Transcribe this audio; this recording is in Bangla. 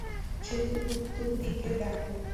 সেতুর উত্তর দিকে দেখ।